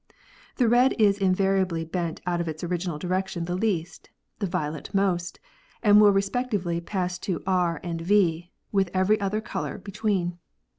The red is invariably bent out of its original direction the least, the violet most, and will respectively pass to R and V, with every other color between.